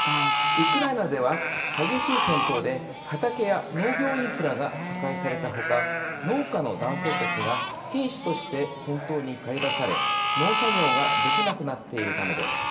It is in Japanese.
ウクライナでは激しい戦闘で畑や農業インフラが破壊されたほか、農家の男性たちが兵士として戦闘に駆り出され、農作業ができなくなっているためです。